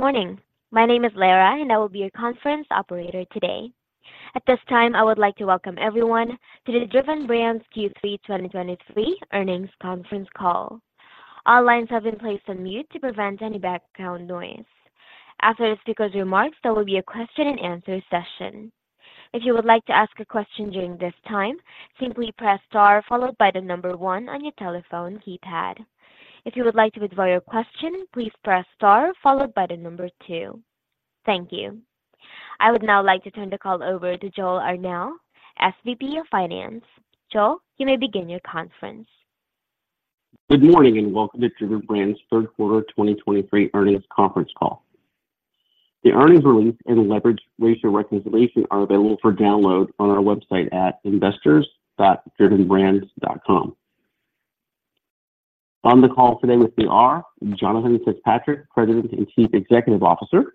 Good morning. My name is Lara, and I will be your conference operator today. At this time, I would like to welcome everyone to the Driven Brands Q3 2023 earnings conference call. All lines have been placed on mute to prevent any background noise. After the speaker's remarks, there will be a question-and-answer session. If you would like to ask a question during this time, simply press star followed by the number one on your telephone keypad. If you would like to withdraw your question, please press star followed by the number two. Thank you. I would now like to turn the call over to Joel Arnao, SVP of Finance. Joel, you may begin your conference. Good morning, and welcome to Driven Brands' third quarter 2023 earnings conference call. The earnings release and leverage ratio reconciliation are available for download on our website at investors.drivenbrands.com. On the call today with me are Jonathan Fitzpatrick, President and Chief Executive Officer,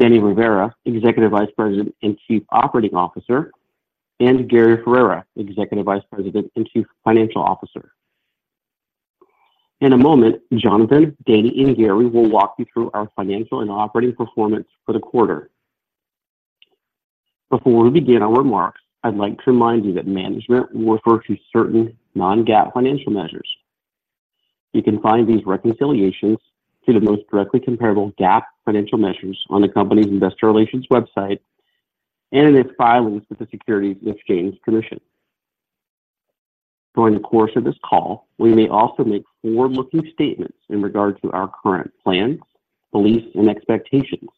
Danny Rivera, Executive Vice President and Chief Operating Officer, and Gary Ferrera, Executive Vice President and Chief Financial Officer. In a moment, Jonathan, Danny, and Gary will walk you through our financial and operating performance for the quarter. Before we begin our remarks, I'd like to remind you that management will refer to certain non-GAAP financial measures. You can find these reconciliations to the most directly comparable GAAP financial measures on the company's investor relations website and in its filings with the Securities and Exchange Commission. During the course of this call, we may also make forward-looking statements in regard to our current plans, beliefs, and expectations.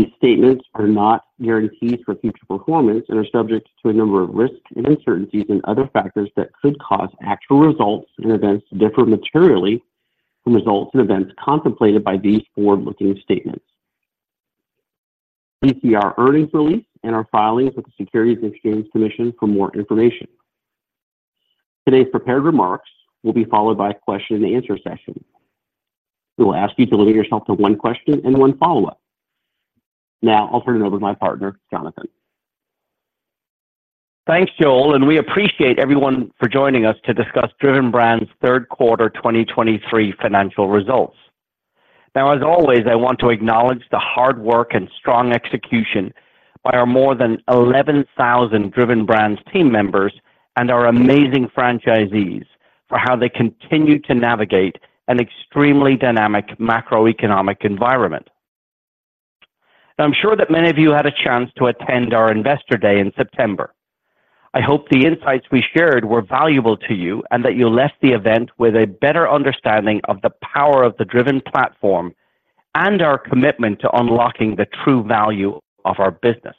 These statements are not guarantees for future performance and are subject to a number of risks, and uncertainties, and other factors that could cause actual results and events to differ materially from results and events contemplated by these forward-looking statements. Please see our earnings release and our filings with the Securities and Exchange Commission for more information. Today's prepared remarks will be followed by a question-and-answer session. We will ask you to limit yourself to one question and one follow-up. Now I'll turn it over to my partner, Jonathan. Thanks, Joel, and we appreciate everyone for joining us to discuss Driven Brands' third quarter 2023 financial results. Now, as always, I want to acknowledge the hard work and strong execution by our more than 11,000 Driven Brands team members and our amazing franchisees for how they continue to navigate an extremely dynamic macroeconomic environment. Now, I'm sure that many of you had a chance to attend our Investor Day in September. I hope the insights we shared were valuable to you, and that you left the event with a better understanding of the power of the Driven platform and our commitment to unlocking the true value of our business.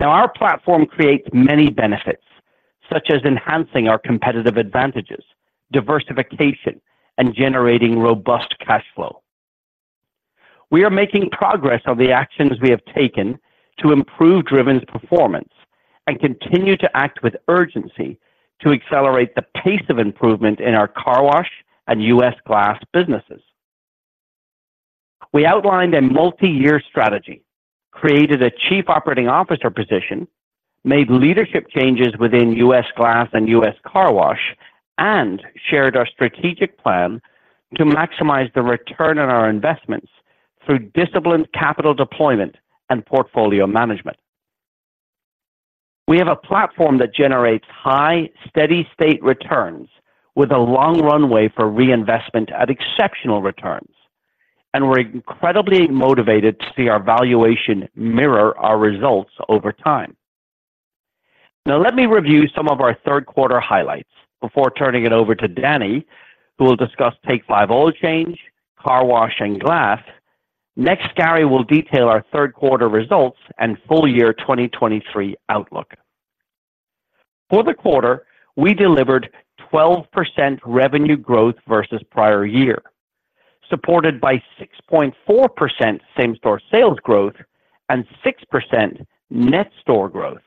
Now, our platform creates many benefits, such as enhancing our competitive advantages, diversification, and generating robust cash flow. We are making progress on the actions we have taken to improve Driven's performance and continue to act with urgency to accelerate the pace of improvement in our car wash and U.S. Glass businesses. We outlined a multi-year strategy, created a chief operating officer position, made leadership changes within U.S. Glass and U.S. Car Wash, and shared our strategic plan to maximize the return on our investments through disciplined capital deployment and portfolio management. We have a platform that generates high, steady state returns with a long runway for reinvestment at exceptional returns, and we're incredibly motivated to see our valuation mirror our results over time. Now, let me review some of our third quarter highlights before turning it over to Danny, who will discuss Take 5 Oil Change, car wash, and glass. Next, Gary will detail our third quarter results and full year 2023 outlook. For the quarter, we delivered 12% revenue growth versus prior year, supported by 6.4% same-store sales growth and 6% net store growth,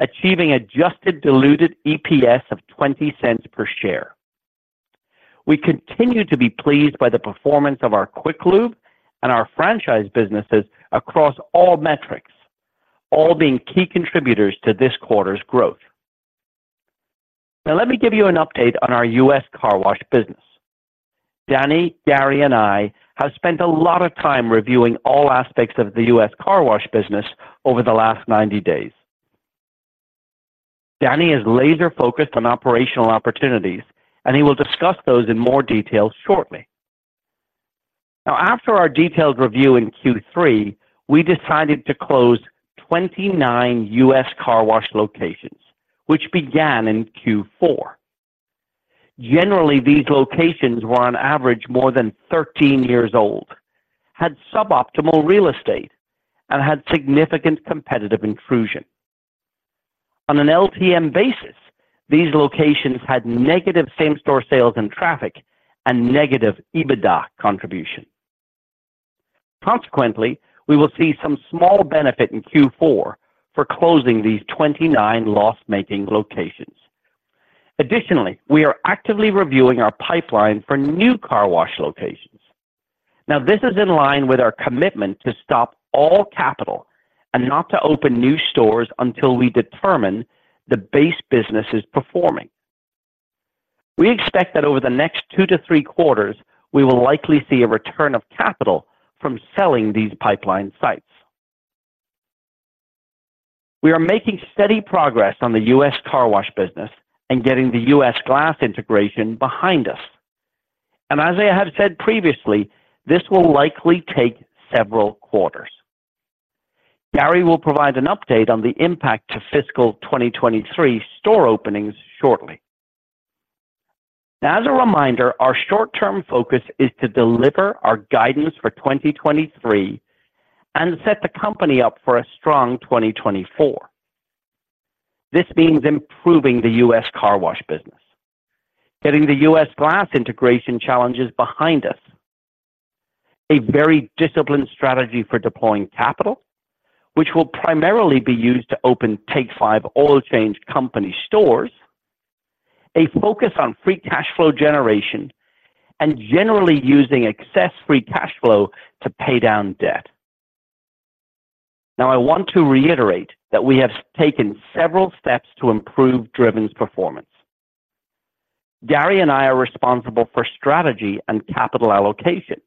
achieving Adjusted Diluted EPS of $0.20 per share. We continue to be pleased by the performance of our Quick Lube and our franchise businesses across all metrics, all being key contributors to this quarter's growth. Now, let me give you an update on our U.S. Car Wash business. Danny, Gary, and I have spent a lot of time reviewing all aspects of the U.S. Car Wash business over the last 90 days. Danny is laser-focused on operational opportunities, and he will discuss those in more detail shortly. Now, after our detailed review in Q3, we decided to close 29 U.S. Car Wash locations, which began in Q4. Generally, these locations were on average more than 13 years old, had suboptimal real estate, and had significant competitive intrusion. On an LTM basis, these locations had negative same-store sales and traffic and negative EBITDA contribution. Consequently, we will see some small benefit in Q4 for closing these 29 loss-making locations. Additionally, we are actively reviewing our pipeline for new car wash locations. Now, this is in line with our commitment to stop all capital-... and not to open new stores until we determine the base business is performing. We expect that over the next two to three quarters, we will likely see a return of capital from selling these pipeline sites. We are making steady progress on the U.S. Car Wash business and getting the U.S. Glass integration behind us. As I have said previously, this will likely take several quarters. Gary will provide an update on the impact to fiscal 2023 store openings shortly. As a reminder, our short-term focus is to deliver our guidance for 2023 and set the company up for a strong 2024. This means improving the U.S. Car Wash business, getting the U.S. Glass integration challenges behind us, a very disciplined strategy for deploying capital, which will primarily be used to open Take 5 Oil Change company stores, a focus on free cash flow generation, and generally using excess free cash flow to pay down debt. Now, I want to reiterate that we have taken several steps to improve Driven's performance. Gary and I are responsible for strategy and capital allocation.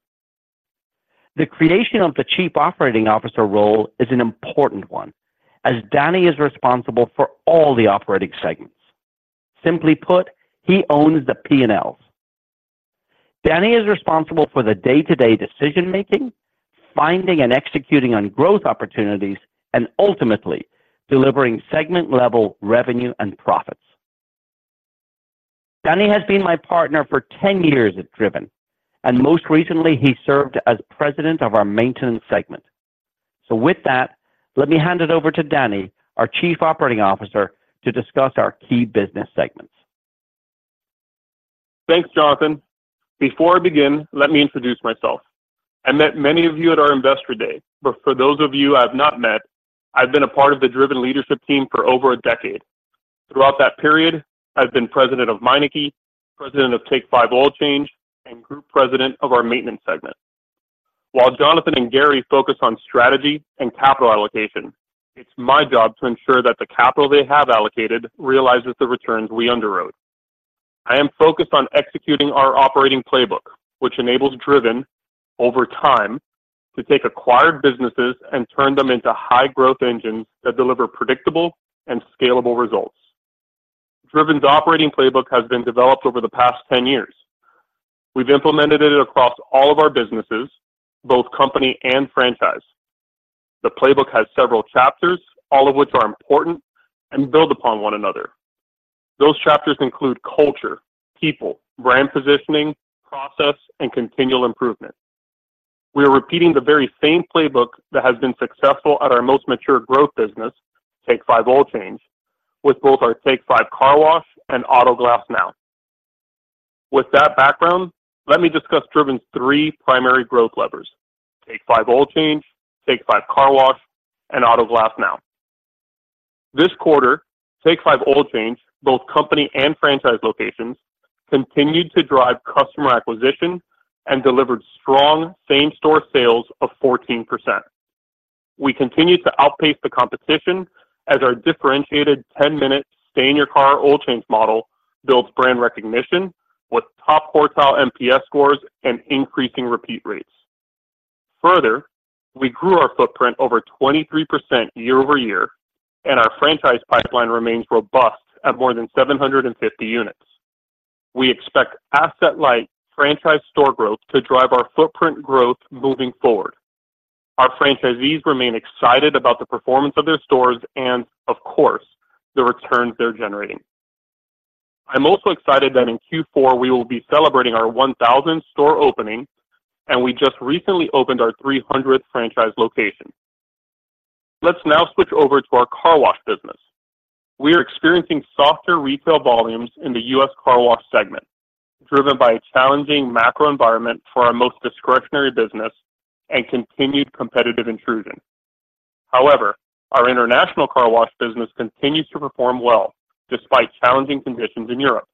The creation of the Chief Operating Officer role is an important one, as Danny is responsible for all the operating segments. Simply put, he owns the P&Ls. Danny is responsible for the day-to-day decision-making, finding and executing on growth opportunities, and ultimately, delivering segment-level revenue and profits. Danny has been my partner for 10 years at Driven, and most recently, he served as president of our Maintenance segment. So with that, let me hand it over to Danny, our Chief Operating Officer, to discuss our key business segments. Thanks, Jonathan. Before I begin, let me introduce myself. I met many of you at our Investor Day, but for those of you I've not met, I've been a part of the Driven leadership team for over a decade. Throughout that period, I've been President of Meineke, President of Take 5 Oil Change, and Group President of our Maintenance segment. While Jonathan and Gary focus on strategy and capital allocation, it's my job to ensure that the capital they have allocated realizes the returns we underwrote. I am focused on executing our operating playbook, which enables Driven, over time, to take acquired businesses and turn them into high-growth engines that deliver predictable and scalable results. Driven's operating playbook has been developed over the past 10 years. We've implemented it across all of our businesses, both company and franchise. The playbook has several chapters, all of which are important and build upon one another. Those chapters include culture, people, brand positioning, process, and continual improvement. We are repeating the very same playbook that has been successful at our most mature growth business, Take 5 Oil Change, with both our Take 5 Car Wash and Auto Glass Now. With that background, let me discuss Driven's three primary growth levers: Take 5 Oil Change, Take 5 Car Wash, and Auto Glass Now. This quarter, Take 5 Oil Change, both company and franchise locations, continued to drive customer acquisition and delivered strong same-store sales of 14%. We continue to outpace the competition as our differentiated ten-minute stay-in-your-car oil change model builds brand recognition with top quartile NPS scores and increasing repeat rates. Further, we grew our footprint over 23% year-over-year, and our franchise pipeline remains robust at more than 750 units. We expect asset-light franchise store growth to drive our footprint growth moving forward. Our franchisees remain excited about the performance of their stores and, of course, the returns they're generating. I'm also excited that in Q4, we will be celebrating our 1,000th store opening, and we just recently opened our 300th franchise location. Let's now switch over to our car wash business. We are experiencing softer retail volumes in the U.S. Car Wash segment, driven by a challenging macro environment for our most discretionary business and continued competitive intrusion. However, our international car wash business continues to perform well despite challenging conditions in Europe.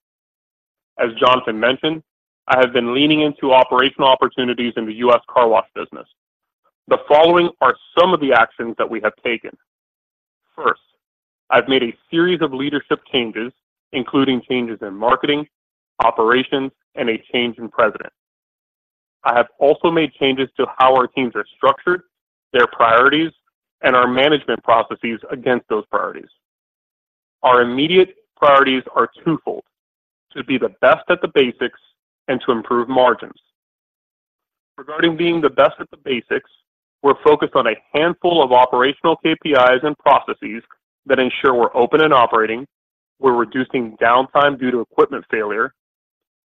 As Jonathan mentioned, I have been leaning into operational opportunities in the U.S. Car Wash business. The following are some of the actions that we have taken. First, I've made a series of leadership changes, including changes in marketing, operations, and a change in president. I have also made changes to how our teams are structured, their priorities, and our management processes against those priorities. Our immediate priorities are twofold: to be the best at the basics and to improve margins. Regarding being the best at the basics, we're focused on a handful of operational KPIs and processes that ensure we're open and operating, we're reducing downtime due to equipment failure,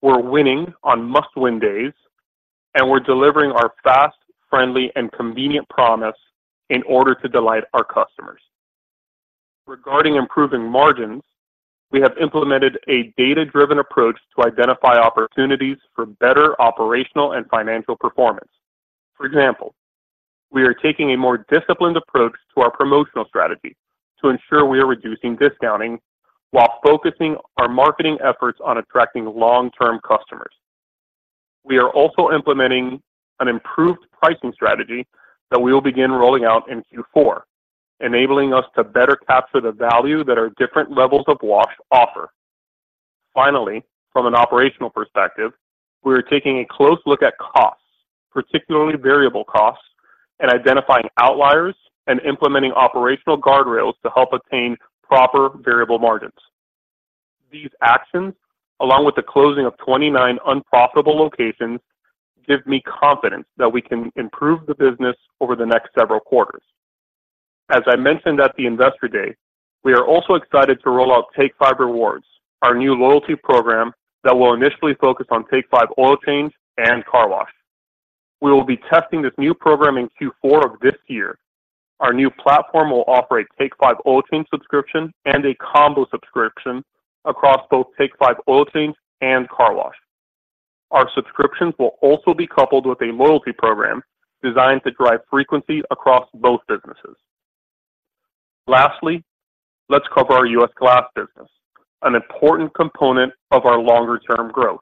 we're winning on must-win days, and we're delivering our fast, friendly, and convenient promise in order to delight our customers. Regarding improving margins, we have implemented a data-driven approach to identify opportunities for better operational and financial performance. For example, we are taking a more disciplined approach to our promotional strategy to ensure we are reducing discounting while focusing our marketing efforts on attracting long-term customers. We are also implementing an improved pricing strategy that we will begin rolling out in Q4, enabling us to better capture the value that our different levels of wash offer. Finally, from an operational perspective, we are taking a close look at costs, particularly variable costs, and identifying outliers and implementing operational guardrails to help attain proper variable margins. These actions, along with the closing of 29 unprofitable locations, give me confidence that we can improve the business over the next several quarters. As I mentioned at the Investor Day, we are also excited to roll out Take 5 Rewards, our new loyalty program that will initially focus on Take 5 Oil Change and Take 5 Car Wash. We will be testing this new program in Q4 of this year. Our new platform will offer a Take 5 Oil Change subscription and a combo subscription across both Take 5 Oil Change and car wash. Our subscriptions will also be coupled with a loyalty program designed to drive frequency across both businesses. Lastly, let's cover our U.S. Glass business, an important component of our longer-term growth.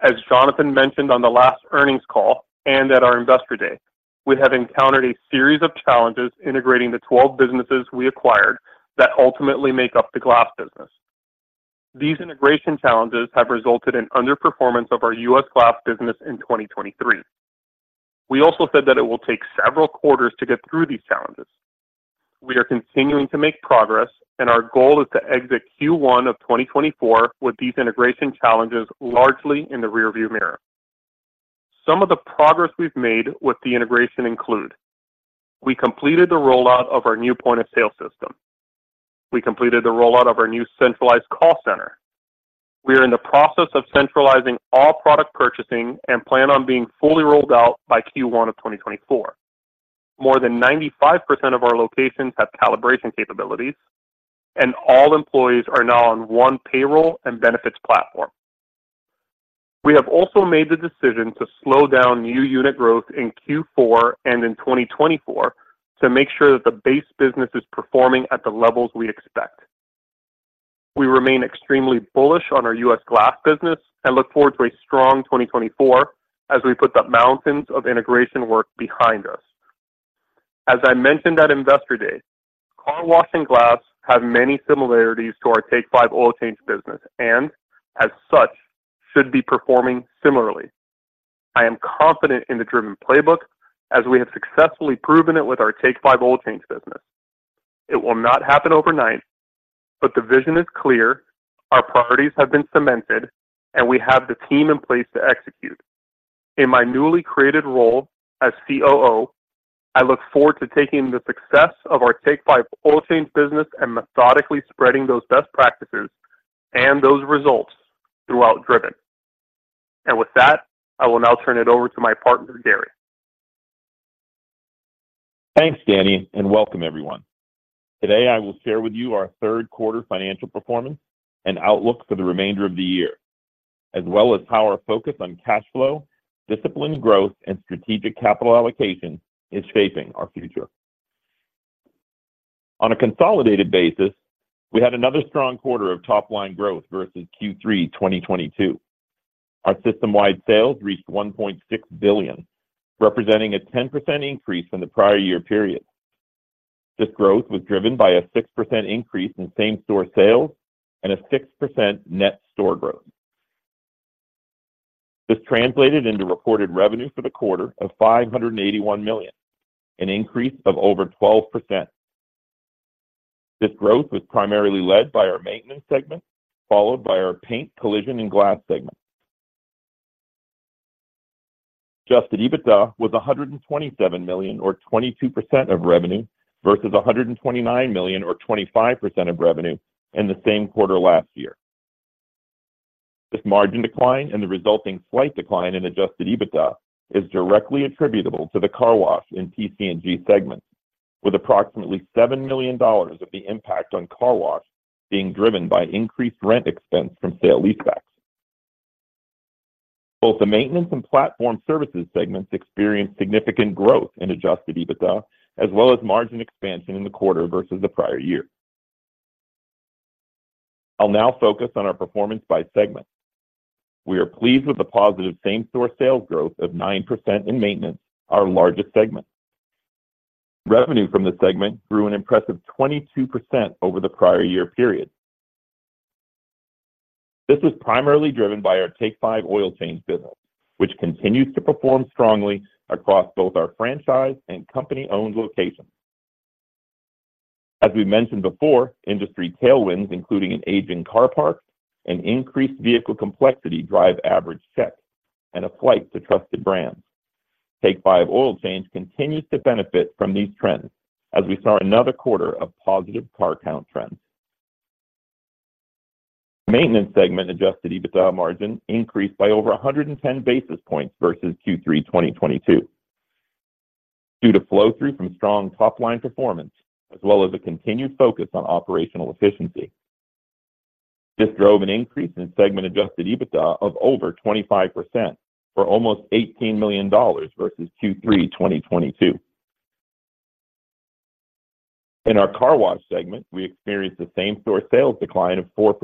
As Jonathan mentioned on the last earnings call and at our Investor Day, we have encountered a series of challenges integrating the 12 businesses we acquired that ultimately make up the glass business. These integration challenges have resulted in underperformance of our U.S. Glass business in 2023. We also said that it will take several quarters to get through these challenges. We are continuing to make progress, and our goal is to exit Q1 of 2024 with these integration challenges largely in the rearview mirror. Some of the progress we've made with the integration include: We completed the rollout of our new point-of-sale system. We completed the rollout of our new centralized call center. We are in the process of centralizing all product purchasing and plan on being fully rolled out by Q1 of 2024. More than 95% of our locations have calibration capabilities, and all employees are now on one payroll and benefits platform. We have also made the decision to slow down new unit growth in Q4 and in 2024 to make sure that the base business is performing at the levels we expect. We remain extremely bullish on our U.S. Glass business and look forward to a strong 2024 as we put the mountains of integration work behind us. As I mentioned at Investor Day, car wash and glass have many similarities to our Take 5 Oil Change business and, as such, should be performing similarly. I am confident in the Driven playbook as we have successfully proven it with our Take 5 Oil Change business. It will not happen overnight, but the vision is clear, our priorities have been cemented, and we have the team in place to execute. In my newly created role as COO, I look forward to taking the success of our Take 5 Oil Change business and methodically spreading those best practices and those results throughout Driven. With that, I will now turn it over to my partner, Gary. Thanks, Danny, and welcome everyone. Today, I will share with you our third quarter financial performance and outlook for the remainder of the year, as well as how our focus on cash flow, disciplined growth, and strategic capital allocation is shaping our future. On a consolidated basis, we had another strong quarter of top-line growth versus Q3 2022. Our system-wide sales reached $1.6 billion, representing a 10% increase from the prior year period. This growth was driven by a 6% increase in same-store sales and a 6% net store growth. This translated into reported revenue for the quarter of $581 million, an increase of over 12%. This growth was primarily led by our maintenance segment, followed by our Paint, Collision, and Glass segment. Adjusted EBITDA was $127 million, or 22% of revenue, versus $129 million, or 25% of revenue, in the same quarter last year. This margin decline and the resulting slight decline in adjusted EBITDA is directly attributable to the car wash in PC&G segments, with approximately $7 million of the impact on car wash being driven by increased rent expense from sale-leasebacks. Both the maintenance and platform services segments experienced significant growth in adjusted EBITDA, as well as margin expansion in the quarter versus the prior year. I'll now focus on our performance by segment. We are pleased with the positive same-store sales growth of 9% in maintenance, our largest segment. Revenue from the segment grew an impressive 22% over the prior year period. This was primarily driven by our Take 5 Oil Change business, which continues to perform strongly across both our franchise and company-owned locations. As we mentioned before, industry tailwinds, including an aging car park and increased vehicle complexity, drive average checks and a flight to trusted brands. Take 5 Oil Change continues to benefit from these trends as we saw another quarter of positive car count trends. Maintenance segment-adjusted EBITDA margin increased by over 110 basis points versus Q3 2022, due to flow-through from strong top-line performance, as well as a continued focus on operational efficiency. This drove an increase in segment-adjusted EBITDA of over 25% for almost $18 million versus Q3 2022. In our Car Wash segment, we experienced the same-store sales decline of 4%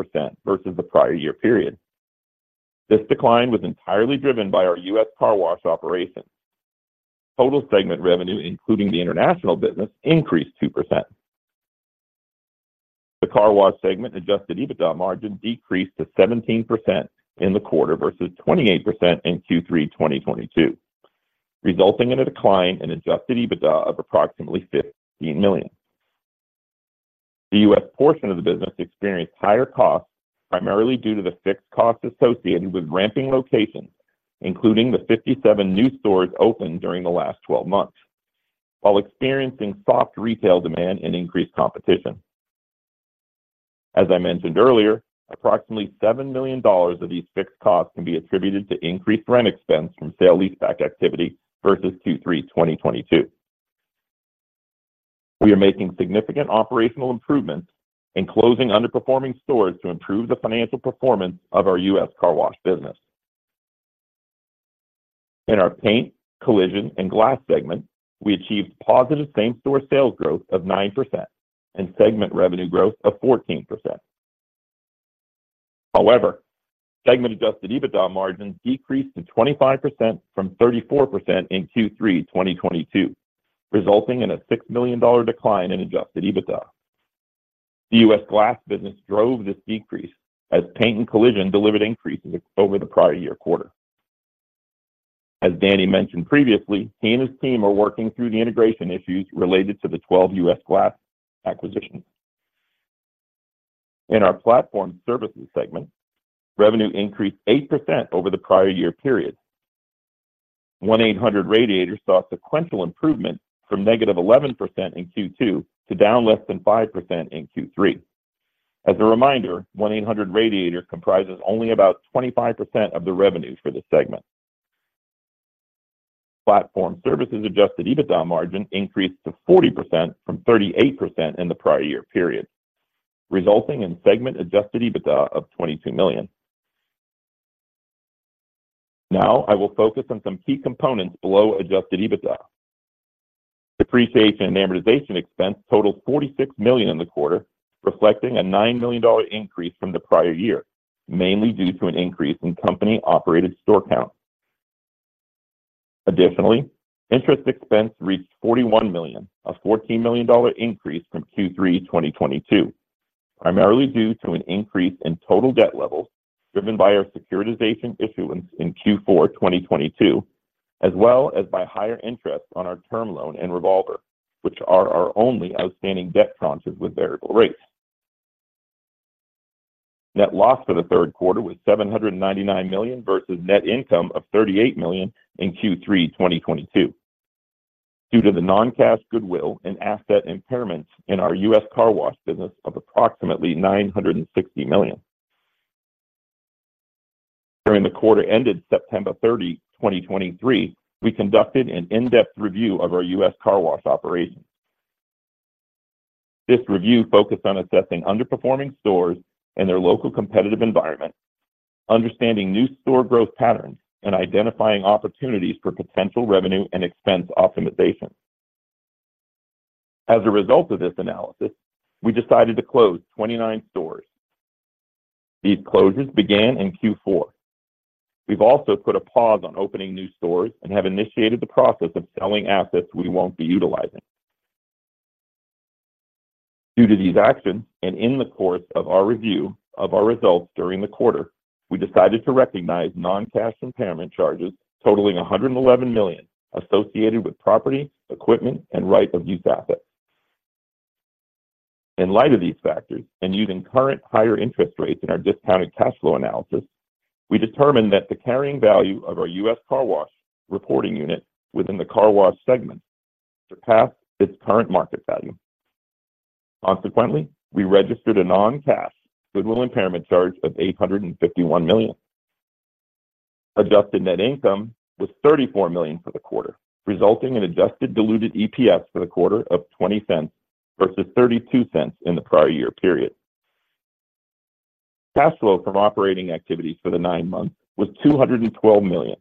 versus the prior year period. This decline was entirely driven by our U.S. Car Wash operation. Total segment revenue, including the international business, increased 2%. The Car Wash segment Adjusted EBITDA margin decreased to 17% in the quarter versus 28% in Q3 2022, resulting in a decline in Adjusted EBITDA of approximately $15 million. The U.S. portion of the business experienced higher costs, primarily due to the fixed costs associated with ramping locations, including the 57 new stores opened during the last twelve months, while experiencing soft retail demand and increased competition. As I mentioned earlier, approximately $7 million of these fixed costs can be attributed to increased rent expense from sale-leaseback activity versus Q3 2022. We are making significant operational improvements and closing underperforming stores to improve the financial performance of our U.S. Car Wash business. In our paint, collision, and glass segment, we achieved positive same-store sales growth of 9% and segment revenue growth of 14%. However, segment Adjusted EBITDA margin decreased to 25% from 34% in Q3 2022, resulting in a $6 million decline in Adjusted EBITDA. The U.S. Glass business drove this decrease as paint and collision delivered increases over the prior year quarter. As Danny mentioned previously, he and his team are working through the integration issues related to the twelve U.S. Glass acquisitions. In our Platform Services segment, revenue increased 8% over the prior year period. 1-800 Radiator saw a sequential improvement from -11% in Q2 to down less than 5% in Q3. As a reminder, 1-800 Radiator comprises only about 25% of the revenue for this segment. Platform services Adjusted EBITDA margin increased to 40% from 38% in the prior year period, resulting in segment Adjusted EBITDA of $22 million. Now, I will focus on some key components below Adjusted EBITDA. Depreciation and amortization expense totaled $46 million in the quarter, reflecting a $9 million increase from the prior year, mainly due to an increase in company-operated store count. Additionally, interest expense reached $41 million, a $14 million increase from Q3 2022, primarily due to an increase in total debt levels, driven by our securitization issuance in Q4 2022, as well as by higher interest on our term loan and revolver, which are our only outstanding debt tranches with variable rates. Net loss for the third quarter was $799 million versus net income of $38 million in Q3 2022, due to the non-cash goodwill and asset impairments in our U.S. Car Wash business of approximately $960 million. During the quarter ended September 30, 2023, we conducted an in-depth review of our U.S. Car Wash operations. This review focused on assessing underperforming stores and their local competitive environment, understanding new store growth patterns, and identifying opportunities for potential revenue and expense optimization. As a result of this analysis, we decided to close 29 stores. These closures began in Q4. We've also put a pause on opening new stores and have initiated the process of selling assets we won't be utilizing. Due to these actions and in the course of our review of our results during the quarter, we decided to recognize non-cash impairment charges totaling $111 million associated with property, equipment, and right-of-use assets. In light of these factors, and using current higher interest rates in our discounted cash flow analysis, we determined that the carrying value of our U.S. Car Wash reporting unit within the car wash segment surpassed its current market value. Consequently, we registered a non-cash goodwill impairment charge of $851 million. Adjusted net income was $34 million for the quarter, resulting in Adjusted Diluted EPS for the quarter of $0.20 versus $0.32 in the prior year period. Cash flow from operating activities for the nine months was $212 million,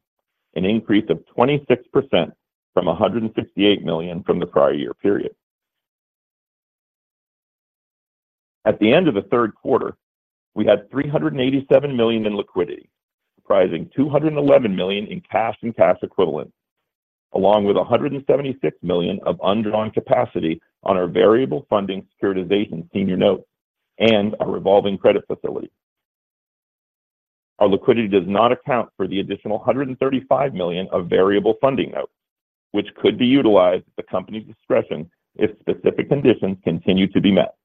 an increase of 26% from $168 million from the prior year period. At the end of the third quarter, we had $387 million in liquidity, comprising $211 million in cash and cash equivalents, along with $176 million of undrawn capacity on our variable funding securitization senior note and our revolving credit facility. Our liquidity does not account for the additional $135 million of variable funding notes, which could be utilized at the company's discretion if specific conditions continue to be met.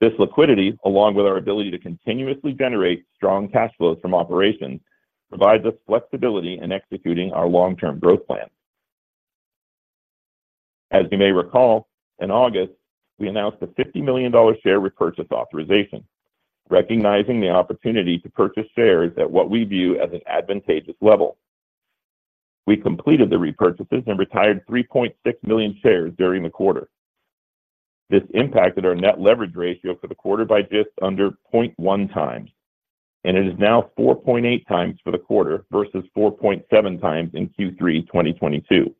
This liquidity, along with our ability to continuously generate strong cash flows from operations, provides us flexibility in executing our long-term growth plan. As you may recall, in August, we announced a $50 million share repurchase authorization, recognizing the opportunity to purchase shares at what we view as an advantageous level. We completed the repurchases and retired 3.6 million shares during the quarter. This impacted our net leverage ratio for the quarter by just under 0.1 times, and it is now 4.8 times for the quarter versus 4.7 times in Q3 2022.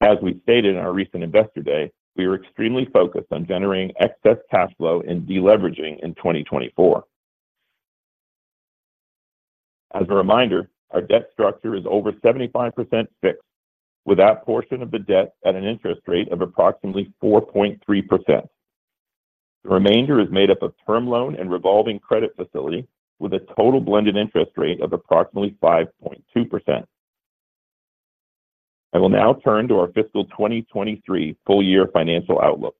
As we stated in our recent Investor Day, we are extremely focused on generating excess cash flow and deleveraging in 2024. As a reminder, our debt structure is over 75% fixed, with that portion of the debt at an interest rate of approximately 4.3%. The remainder is made up of term loan and revolving credit facility, with a total blended interest rate of approximately 5.2%. I will now turn to our fiscal 2023 full year financial outlook.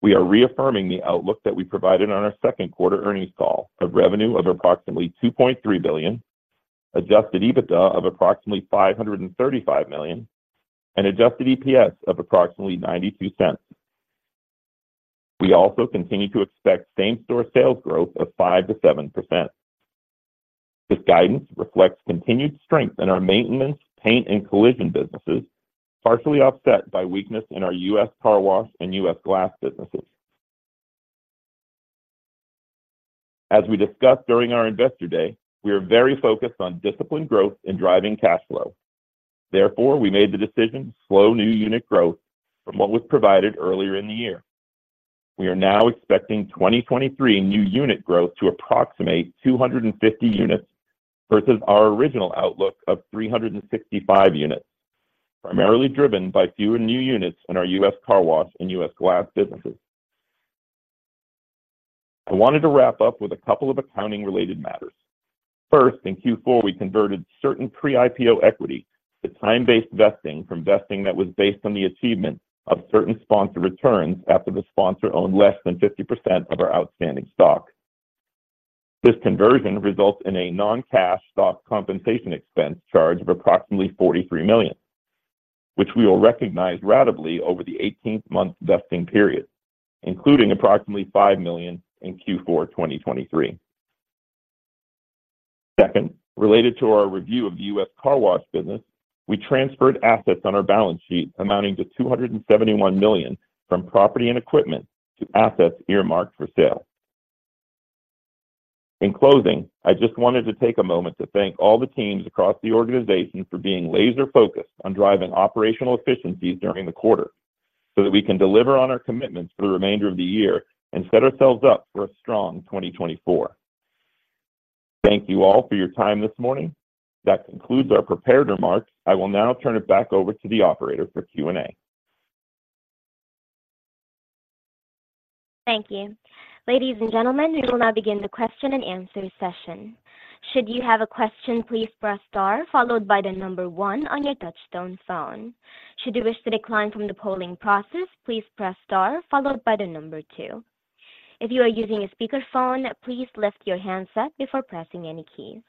We are reaffirming the outlook that we provided on our second quarter earnings call of revenue of approximately $2.3 billion, adjusted EBITDA of approximately $535 million, and adjusted EPS of approximately $0.92. We also continue to expect same-store sales growth of 5%-7%. This guidance reflects continued strength in our maintenance, paint, and collision businesses, partially offset by weakness in our U.S. Car Wash and U.S. Glass businesses. As we discussed during our Investor Day, we are very focused on disciplined growth and driving cash flow. Therefore, we made the decision to slow new unit growth from what was provided earlier in the year. We are now expecting 2023 new unit growth to approximate 250 units versus our original outlook of 365 units, primarily driven by fewer new units in our U.S. Car Wash and U.S. Glass businesses. I wanted to wrap up with a couple of accounting-related matters. First, in Q4, we converted certain pre-IPO equity to time-based vesting from vesting that was based on the achievement of certain sponsor returns after the sponsor owned less than 50% of our outstanding stock. This conversion results in a non-cash stock compensation expense charge of approximately $43 million, which we will recognize ratably over the 18-month vesting period, including approximately $5 million in Q4 2023. Second, related to our review of the U.S. Car Wash business, we transferred assets on our balance sheet amounting to $271 million from property and equipment to assets earmarked for sale. In closing, I just wanted to take a moment to thank all the teams across the organization for being laser-focused on driving operational efficiencies during the quarter, so that we can deliver on our commitments for the remainder of the year and set ourselves up for a strong 2024. Thank you all for your time this morning. That concludes our prepared remarks. I will now turn it back over to the operator for Q&A. Thank you. Ladies and gentlemen, we will now begin the question-and-answer session. Should you have a question, please press star followed by 1 on your touchtone phone. Should you wish to decline from the polling process, please press star followed by 2. If you are using a speakerphone, please lift your handset before pressing any keys.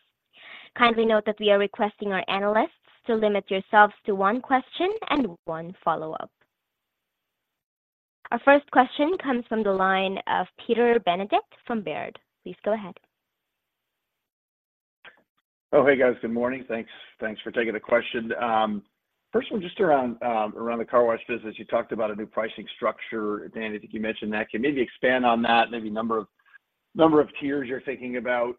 Kindly note that we are requesting our analysts to limit yourselves to one question and one follow-up. Our first question comes from the line of Peter Benedict from Baird. Please go ahead. Oh, hey, guys. Good morning. Thanks, thanks for taking the question. First one, just around the car wash business, you talked about a new pricing structure. Danny, I think you mentioned that. Can you maybe expand on that? Maybe number of tiers you're thinking about,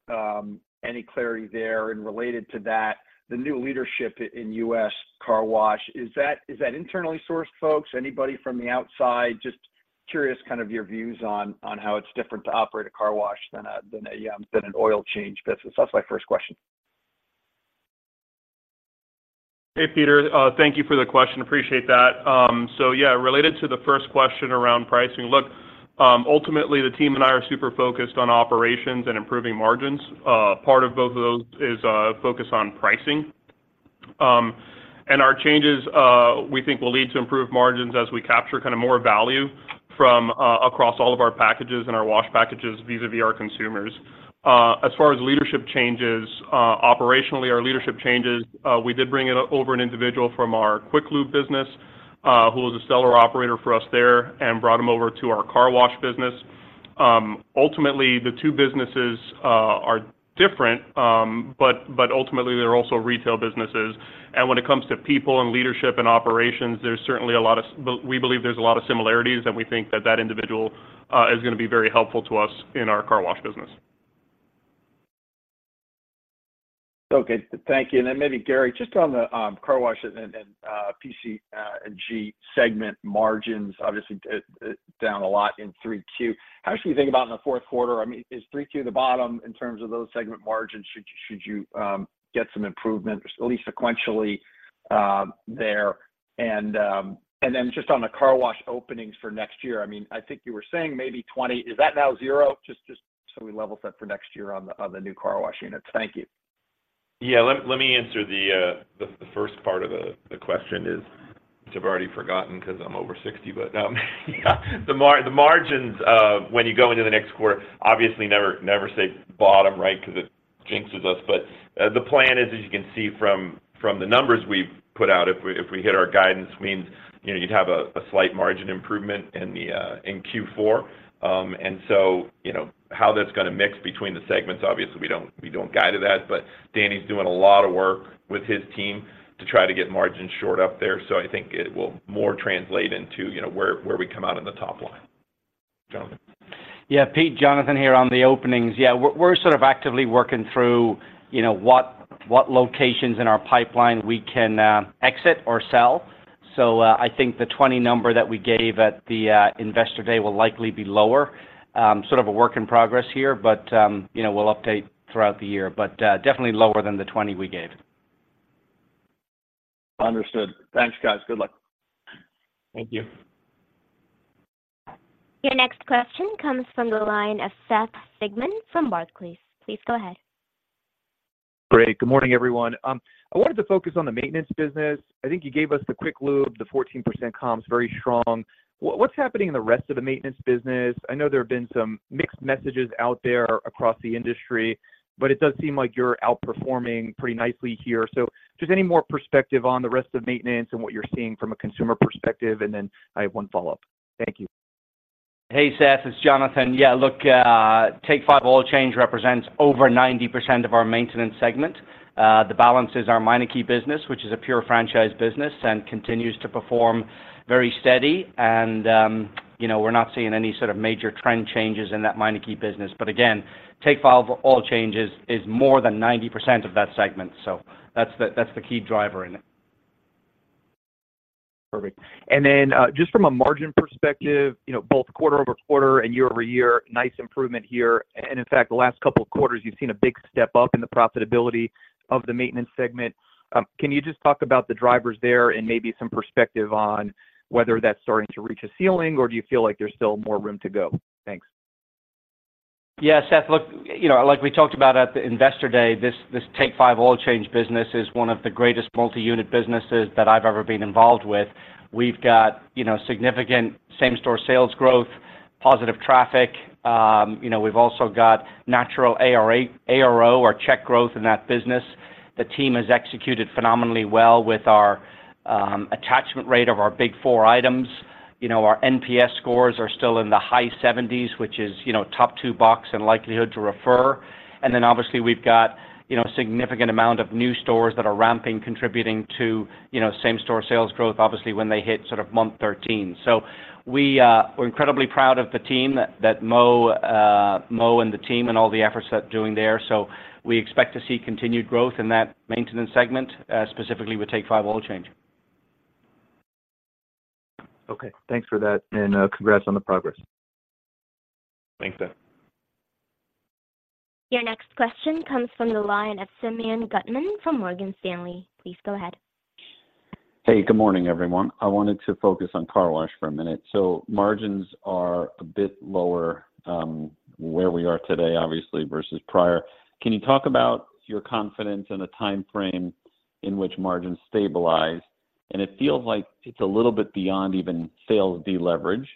any clarity there? And related to that, the new leadership in U.S. Car Wash, is that internally sourced folks, anybody from the outside? Just curious, kind of, your views on how it's different to operate a car wash than an oil change business. That's my first question. Hey, Peter, thank you for the question. Appreciate that. So yeah, related to the first question around pricing: Look, ultimately, the team and I are super focused on operations and improving margins. Part of both of those is focus on pricing. And our changes, we think will lead to improved margins as we capture kinda more value from across all of our packages and our wash packages vis-a-vis our consumers. As far as leadership changes, operationally, our leadership changes, we did bring it up over an individual from our Quick Lube business, who was a stellar operator for us there and brought him over to our car wash business. Ultimately, the two businesses are different, but ultimately, they're also retail businesses, and when it comes to people and leadership and operations, there's certainly a lot of. We believe there's a lot of similarities, and we think that that individual is gonna be very helpful to us in our car wash business. Okay. Thank you. And then maybe, Gary, just on the car wash and PC&G segment margins, obviously down a lot in 3Q. How should we think about in the fourth quarter? I mean, is 3Q the bottom in terms of those segment margins? Should you get some improvement, at least sequentially, there? And then just on the car wash openings for next year, I mean, I think you were saying maybe 20 openings. Is that now 0? Just so we level set for next year on the new car wash units. Thank you. Yeah, let me answer the first part of the question. I've already forgotten because I'm over 60, but the margins, when you go into the next quarter, obviously, never say bottom, right? Because it jinxes us. But the plan is, as you can see from the numbers we've put out, if we hit our guidance, means, you know, you'd have a slight margin improvement in Q4. And so, you know, how that's gonna mix between the segments, obviously, we don't guide to that, but Danny's doing a lot of work with his team to try to get margins shored up there. So I think it will more translate into, you know, where we come out in the top line.... Yeah, Pete, Jonathan here on the openings. Yeah, we're sort of actively working through, you know, what locations in our pipeline we can exit or sell. So, I think the 20 number that we gave at the investor day will likely be lower. Sort of a work in progress here, but you know, we'll update throughout the year. But definitely lower than the 20 we gave. Understood. Thanks, guys. Good luck. Thank you. Your next question comes from the line of Seth Sigman from Barclays. Please go ahead. Great. Good morning, everyone. I wanted to focus on the maintenance business. I think you gave us the quick lube, the 14% comps, very strong. What, what's happening in the rest of the maintenance business? I know there have been some mixed messages out there across the industry, but it does seem like you're outperforming pretty nicely here. So just any more perspective on the rest of maintenance and what you're seeing from a consumer perspective, and then I have one follow-up. Thank you. Hey, Seth, it's Jonathan. Yeah, look, Take 5 Oil Change represents over 90% of our maintenance segment. The balance is our Meineke business, which is a pure franchise business, and continues to perform very steady. And, you know, we're not seeing any sort of major trend changes in that Meineke business. But again, Take 5 Oil Change is more than 90% of that segment, so that's the key driver in it. Perfect. And then, just from a margin perspective, you know, both quarter-over-quarter and year-over-year, nice improvement here. And in fact, the last couple of quarters, you've seen a big step up in the profitability of the maintenance segment. Can you just talk about the drivers there and maybe some perspective on whether that's starting to reach a ceiling, or do you feel like there's still more room to go? Thanks. Yeah, Seth, look, you know, like we talked about at the Investor Day, this, this Take 5 Oil Change business is one of the greatest multi-unit businesses that I've ever been involved with. We've got, you know, significant same-store sales growth, positive traffic. You know, we've also got natural ARO, or check growth in that business. The team has executed phenomenally well with our attachment rate of our big four items. You know, our NPS scores are still in the high seventies, which is, you know, top two box and likelihood to refer. And then obviously, we've got, you know, significant amount of new stores that are ramping, contributing to, you know, same-store sales growth, obviously, when they hit sort of month 13. So we, we're incredibly proud of the team, that, that Mo, Mo and the team and all the efforts they're doing there. So we expect to see continued growth in that maintenance segment, specifically with Take 5 Oil Change. Okay, thanks for that, and congrats on the progress. Thanks, Seth. Your next question comes from the line of Simeon Gutman from Morgan Stanley. Please go ahead. Hey, good morning, everyone. I wanted to focus on car wash for a minute. So margins are a bit lower where we are today, obviously, versus prior. Can you talk about your confidence in a time frame in which margins stabilize? And it feels like it's a little bit beyond even sales deleverage.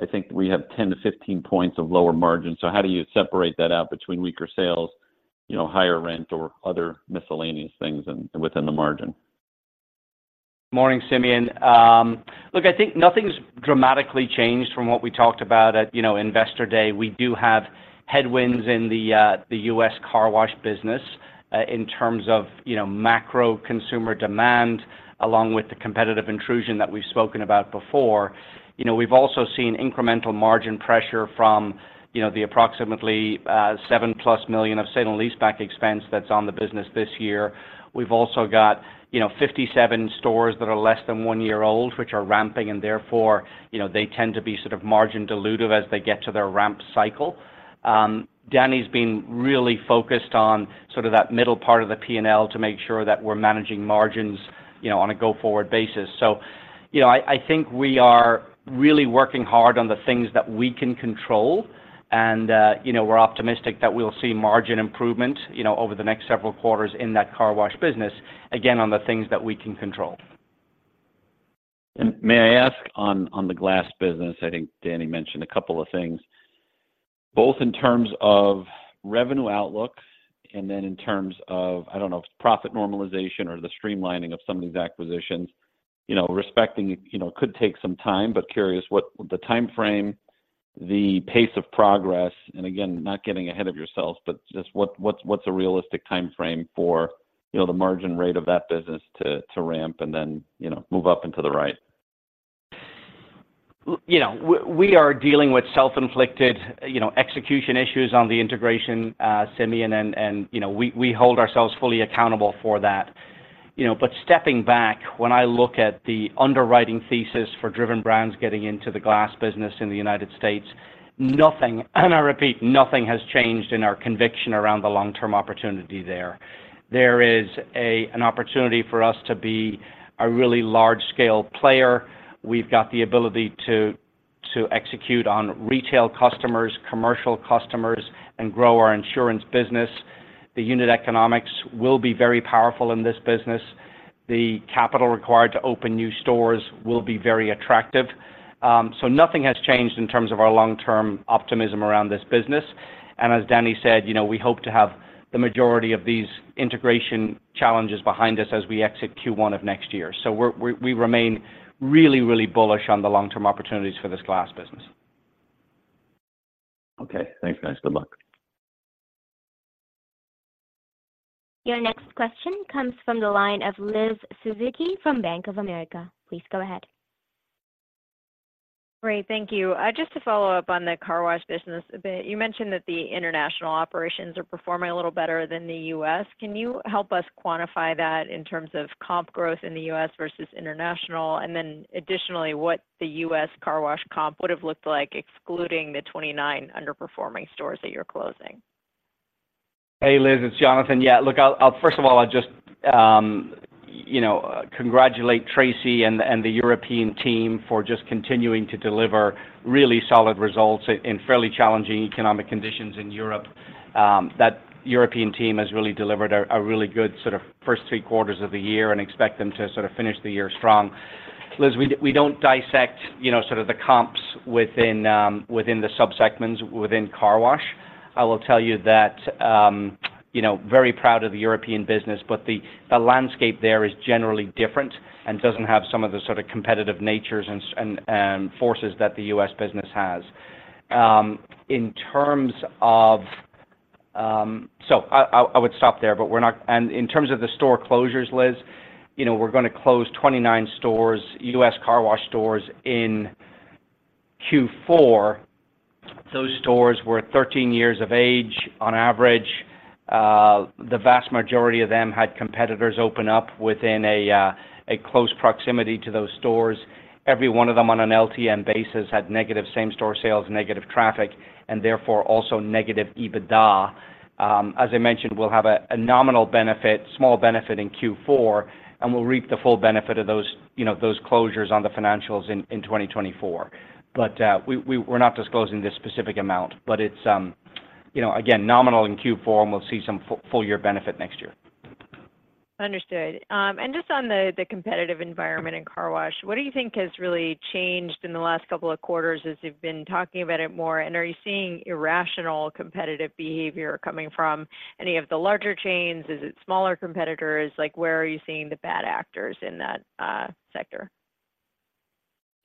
I think we have 10-15 points of lower margin, so how do you separate that out between weaker sales, you know, higher rent, or other miscellaneous things and within the margin? Morning, Simeon. Look, I think nothing's dramatically changed from what we talked about at, you know, Investor Day. We do have headwinds in the the U.S. Car Wash business in terms of, you know, macro consumer demand, along with the competitive intrusion that we've spoken about before. You know, we've also seen incremental margin pressure from, you know, the approximately seven plus million of sale and leaseback expense that's on the business this year. We've also got, you know, 57 stores that are less than one year old, which are ramping, and therefore, you know, they tend to be sort of margin dilutive as they get to their ramp cycle. Danny's been really focused on sort of that middle part of the P&L to make sure that we're managing margins, you know, on a go-forward basis. So, you know, I think we are really working hard on the things that we can control, and, you know, we're optimistic that we'll see margin improvement, you know, over the next several quarters in that car wash business, again, on the things that we can control. May I ask on the glass business? I think Danny mentioned a couple of things, both in terms of revenue outlook and then in terms of, I don't know, profit normalization or the streamlining of some of these acquisitions. You know, respecting it, you know, could take some time, but curious what the time frame, the pace of progress, and again, not getting ahead of yourselves, but just what's a realistic time frame for, you know, the margin rate of that business to ramp and then, you know, move up into the right? You know, we are dealing with self-inflicted, you know, execution issues on the integration, Simeon, and, you know, we hold ourselves fully accountable for that. You know, but stepping back, when I look at the underwriting thesis for Driven Brands getting into the glass business in the United States, nothing, and I repeat, nothing has changed in our conviction around the long-term opportunity there. There is an opportunity for us to be a really large-scale player. We've got the ability to execute on retail customers, commercial customers, and grow our insurance business. The unit economics will be very powerful in this business. The capital required to open new stores will be very attractive. So nothing has changed in terms of our long-term optimism around this business. As Danny said, you know, we hope to have the majority of these integration challenges behind us as we exit Q1 of next year. So we remain really, really bullish on the long-term opportunities for this glass business. Okay. Thanks, guys. Good luck. Your next question comes from the line of Liz Suzuki from Bank of America. Please go ahead. Great, thank you. Just to follow up on the car wash business a bit, you mentioned that the international operations are performing a little better than the U.S. Can you help us quantify that in terms of comp growth in the U.S. versus international? And then additionally, what the U.S. Car Wash comp would have looked like excluding the 29 underperforming stores that you're closing? Hey, Liz, it's Jonathan. Yeah, look, I'll, first of all, I just, you know, congratulate Tracy and the European team for just continuing to deliver really solid results in fairly challenging economic conditions in Europe. That European team has really delivered a really good sort of first three quarters of the year and expect them to sort of finish the year strong. Liz, we don't dissect, you know, sort of the comps within within the subsegments, within car wash. I will tell you that, you know, very proud of the European business, but the landscape there is generally different and doesn't have some of the sort of competitive natures and forces that the U.S. business has. In terms of... So I would stop there, but we're not and in terms of the store closures, Liz, you know, we're gonna close 29 stores, U.S. Car Wash stores in Q4. Those stores were 13 years of age on average. The vast majority of them had competitors open up within a close proximity to those stores. Every one of them, on an LTM basis, had negative same-store sales, negative traffic, and therefore, also negative EBITDA. As I mentioned, we'll have a nominal benefit, small benefit in Q4, and we'll reap the full benefit of those, you know, those closures on the financials in 2024. But, we're not disclosing this specific amount, but it's, you know, again, nominal in Q4, and we'll see some full year benefit next year. Understood. And just on the competitive environment in car wash, what do you think has really changed in the last couple of quarters as you've been talking about it more? And are you seeing irrational competitive behavior coming from any of the larger chains? Is it smaller competitors? Like, where are you seeing the bad actors in that, sector?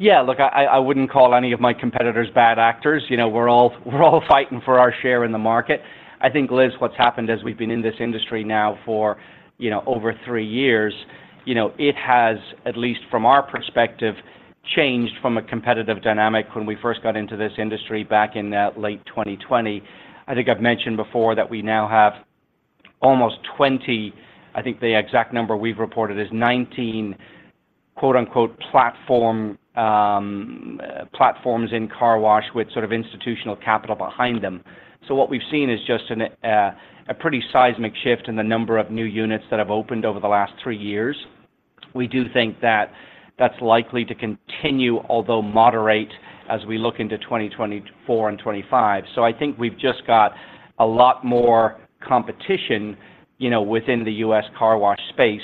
Yeah, look, I wouldn't call any of my competitors bad actors. You know, we're all fighting for our share in the market. I think, Liz, what's happened is we've been in this industry now for, you know, over three years. You know, it has, at least from our perspective, changed from a competitive dynamic when we first got into this industry back in late 2020. I think I've mentioned before that we now have almost 20. I think the exact number we've reported is 19, quote, unquote, "platform" platforms in car wash with sort of institutional capital behind them. So what we've seen is just a pretty seismic shift in the number of new units that have opened over the last three years. We do think that that's likely to continue, although moderate, as we look into 2024 and 2025. So I think we've just got a lot more competition, you know, within the U.S. car wash space,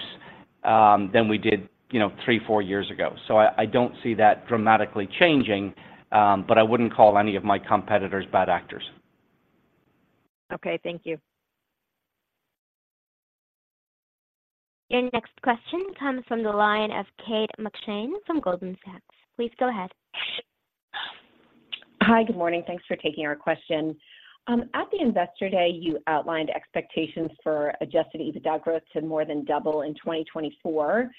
than we did, you know, three, four years ago. So I don't see that dramatically changing, but I wouldn't call any of my competitors bad actors. Okay, thank you. Your next question comes from the line of Kate McShane from Goldman Sachs. Please go ahead. Hi, good morning. Thanks for taking our question. At the Investor Day, you outlined expectations for Adjusted EBITDA growth to more than double in 2024.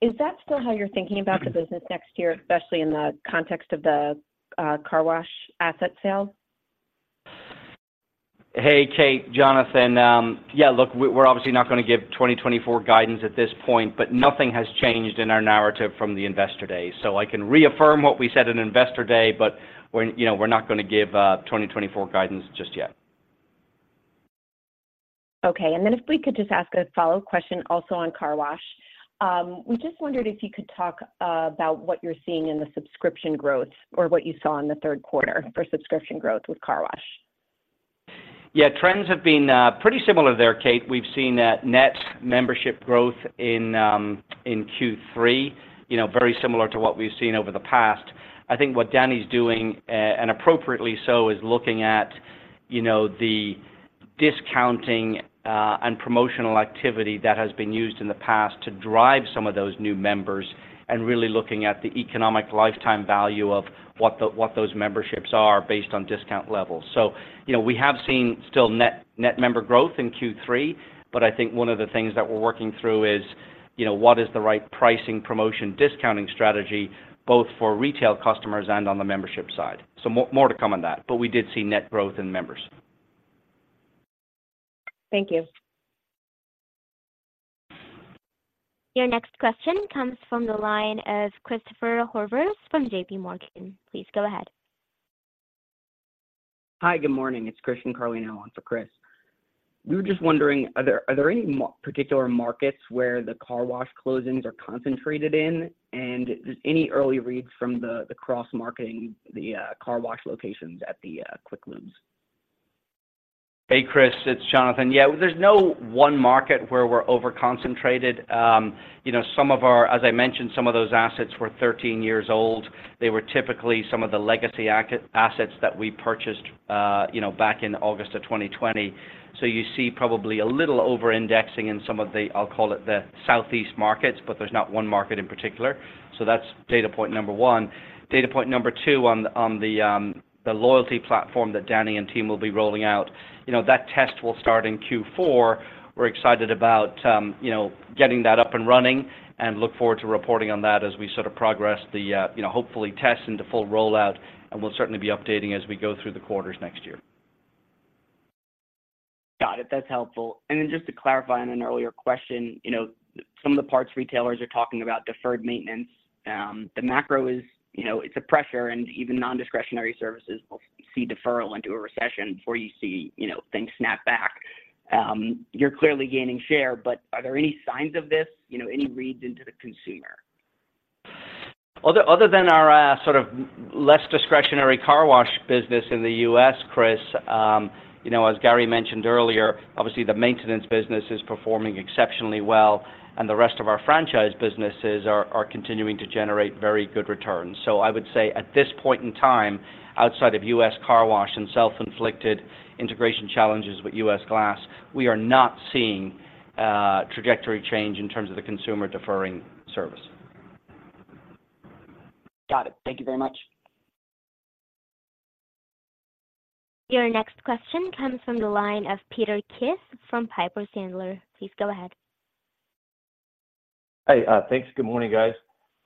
Is that still how you're thinking about the business next year, especially in the context of the car wash asset sale? Hey, Kate, Jonathan. Yeah, look, we're obviously not gonna give 2024 guidance at this point, but nothing has changed in our narrative from the Investor Day. So I can reaffirm what we said in Investor Day, but we're, you know, we're not gonna give 2024 guidance just yet. Okay, and then if we could just ask a follow-up question also on car wash. We just wondered if you could talk about what you're seeing in the subscription growth or what you saw in the third quarter for subscription growth with car wash. Yeah, trends have been pretty similar there, Kate. We've seen net membership growth in Q3, you know, very similar to what we've seen over the past. I think what Danny's doing, and appropriately so, is looking at, you know, the discounting and promotional activity that has been used in the past to drive some of those new members, and really looking at the economic lifetime value of what those memberships are based on discount levels. So, you know, we have seen still net, net member growth in Q3, but I think one of the things that we're working through is, you know, what is the right pricing, promotion, discounting strategy, both for retail customers and on the membership side. So more to come on that, but we did see net growth in members. Thank you. Your next question comes from the line of Christopher Horvers from JPMorgan. Please go ahead. Hi, good morning. It's Christian Carlino on for Chris. We were just wondering, are there any particular markets where the car wash closings are concentrated in? And any early reads from the cross-marketing, car wash locations at the Quick Lubes? Hey, Chris, it's Jonathan. Yeah, there's no one market where we're over-concentrated. You know, some of our—as I mentioned, some of those assets were 13 years old. They were typically some of the legacy assets that we purchased, you know, back in August of 2020. So you see probably a little over-indexing in some of the, I'll call it, the Southeast markets, but there's not one market in particular. So that's data point number 1. Data point number 2 on the loyalty platform that Danny and team will be rolling out. You know, that test will start in Q4. We're excited about, you know, getting that up and running and look forward to reporting on that as we sort of progress the, you know, hopefully, test into full rollout, and we'll certainly be updating as we go through the quarters next year.... Got it, that's helpful. And then just to clarify on an earlier question, you know, some of the parts retailers are talking about deferred maintenance. The macro is, you know, it's a pressure, and even non-discretionary services will see deferral into a recession before you see, you know, things snap back. You're clearly gaining share, but are there any signs of this? You know, any reads into the consumer? Other than our sort of less discretionary car wash business in the U.S., Chris, you know, as Gary mentioned earlier, obviously the maintenance business is performing exceptionally well, and the rest of our franchise businesses are continuing to generate very good returns. So I would say at this point in time, outside of U.S. Car Wash and self-inflicted integration challenges with U.S. Glass, we are not seeing trajectory change in terms of the consumer deferring service. Got it. Thank you very much. Your next question comes from the line of Peter Keith from Piper Sandler. Please go ahead. Hi. Thanks. Good morning, guys.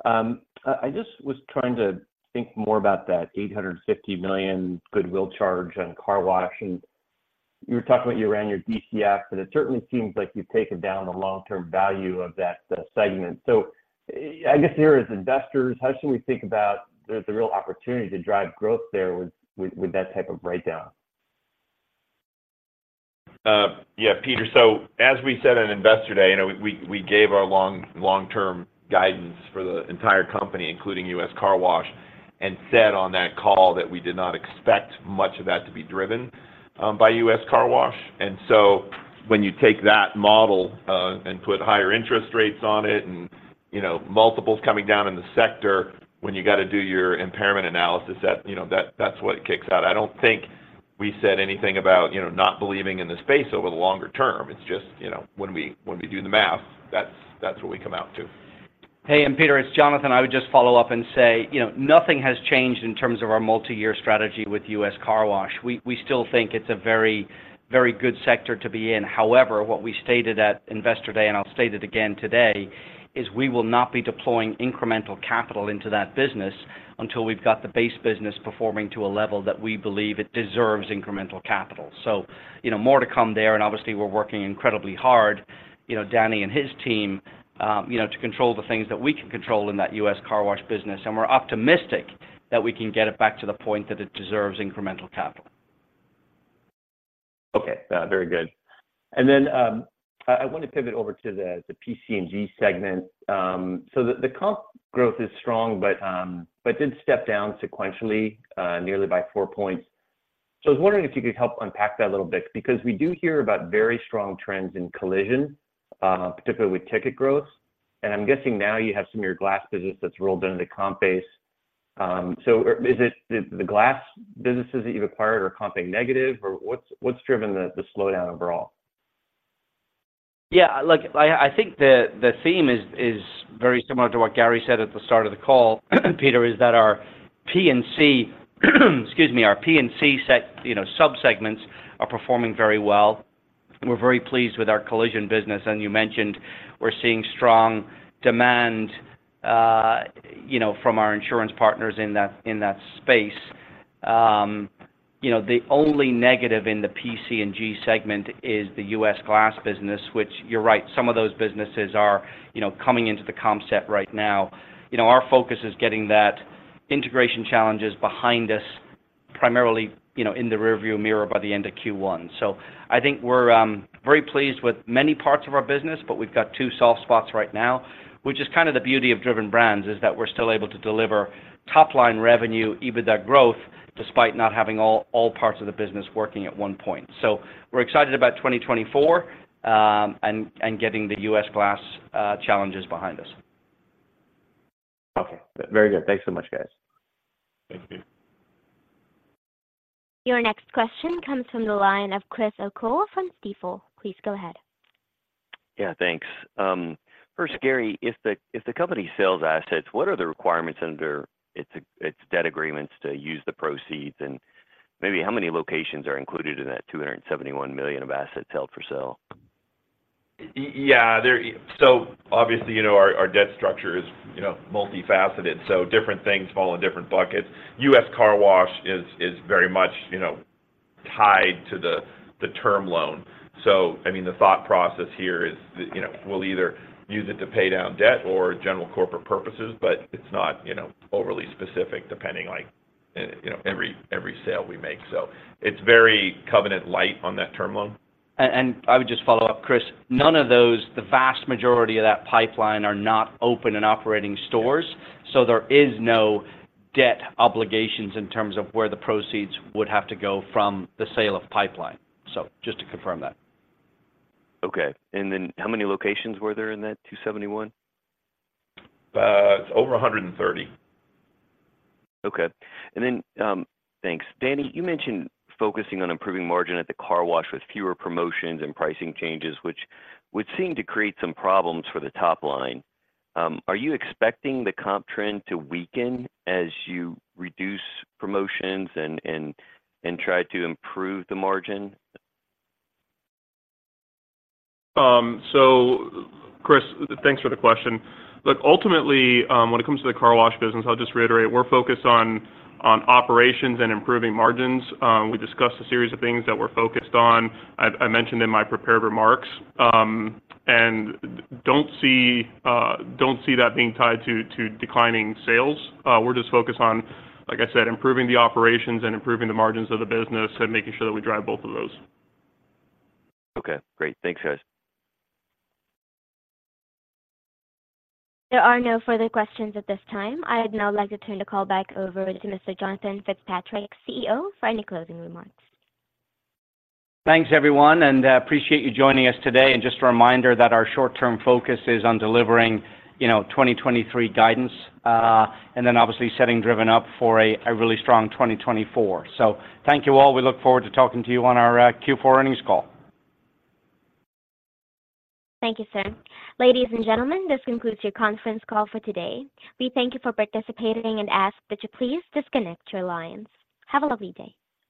I just was trying to think more about that $850 million goodwill charge on car wash. And you were talking about you ran your DCF, but it certainly seems like you've taken down the long-term value of that segment. So I guess, here as investors, how should we think about the real opportunity to drive growth there with that type of breakdown? Yeah, Peter, so as we said on Investor Day, you know, we gave our long-term guidance for the entire company, including U.S. Car Wash, and said on that call that we did not expect much of that to be driven by U.S. Car Wash. And so when you take that model and put higher interest rates on it and, you know, multiples coming down in the sector, when you got to do your impairment analysis, that, you know, that's what it kicks out. I don't think we said anything about, you know, not believing in the space over the longer term. It's just, you know, when we do the math, that's what we come out to. Hey, and Peter, it's Jonathan. I would just follow up and say, you know, nothing has changed in terms of our multi-year strategy with U.S. Car Wash. We, we still think it's a very, very good sector to be in. However, what we stated at Investor Day, and I'll state it again today, is we will not be deploying incremental capital into that business until we've got the base business performing to a level that we believe it deserves incremental capital. So, you know, more to come there, and obviously, we're working incredibly hard, you know, Danny and his team, to control the things that we can control in that U.S. Car Wash business, and we're optimistic that we can get it back to the point that it deserves incremental capital. Okay. Very good. And then I wanna pivot over to the PC&G segment. So the comp growth is strong, but it did step down sequentially nearly by four points. So I was wondering if you could help unpack that a little bit, because we do hear about very strong trends in collision, particularly with ticket growth. And I'm guessing now you have some of your glass business that's rolled into the comp base. So, is it the glass businesses that you've acquired are comping negative, or what's driven the slowdown overall? Yeah, look, I think the theme is very similar to what Gary said at the start of the call, Peter, is that our P&C, excuse me, our P&C segment, you know, subsegments are performing very well. We're very pleased with our collision business, and you mentioned we're seeing strong demand, you know, from our insurance partners in that space. You know, the only negative in the PC&G segment is the U.S. Glass business, which you're right, some of those businesses are, you know, coming into the comp set right now. You know, our focus is getting that integration challenges behind us, primarily, you know, in the rearview mirror by the end of Q1. So I think we're very pleased with many parts of our business, but we've got two soft spots right now, which is kind of the beauty of Driven Brands, is that we're still able to deliver top-line revenue, EBITDA growth, despite not having all parts of the business working at one point. So we're excited about 2024, and getting the U.S. Glass challenges behind us. Okay. Very good. Thanks so much, guys. Thank you. Your next question comes from the line of Chris O'Cull from Stifel. Please go ahead. Yeah, thanks. First, Gary, if the company sells assets, what are the requirements under its debt agreements to use the proceeds? And maybe how many locations are included in that $271 million of assets held for sale? Yeah, they're... So obviously, you know, our debt structure is, you know, multifaceted, so different things fall in different buckets. U.S. Car Wash is very much, you know, tied to the term loan. So, I mean, the thought process here is that, you know, we'll either use it to pay down debt or general corporate purposes, but it's not, you know, overly specific, depending, like, you know, every sale we make. So it's very covenant light on that term loan. And I would just follow up, Chris, none of those, the vast majority of that pipeline are not open and operating stores. So there is no debt obligations in terms of where the proceeds would have to go from the sale of pipeline. So just to confirm that. Okay. And then how many locations were there in that 271? It's over 130. Okay. And then, Thanks. Danny, you mentioned focusing on improving margin at the car wash with fewer promotions and pricing changes, which would seem to create some problems for the top line. Are you expecting the comp trend to weaken as you reduce promotions and try to improve the margin? So, Chris, thanks for the question. Look, ultimately, when it comes to the car wash business, I'll just reiterate, we're focused on operations and improving margins. We discussed a series of things that we're focused on. I mentioned in my prepared remarks, and don't see that being tied to declining sales. We're just focused on, like I said, improving the operations and improving the margins of the business and making sure that we drive both of those. Okay, great. Thanks, guys. There are no further questions at this time. I'd now like to turn the call back over to Mr. Jonathan Fitzpatrick, CEO, for any closing remarks. Thanks, everyone, and appreciate you joining us today. Just a reminder that our short-term focus is on delivering, you know, 2023 guidance, and then obviously setting Driven up for a really strong 2024. Thank you all. We look forward to talking to you on our Q4 earnings call. Thank you, sir. Ladies and gentlemen, this concludes your conference call for today. We thank you for participating and ask that you please disconnect your lines. Have a lovely day.